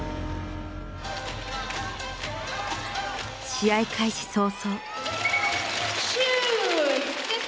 試合開始早々。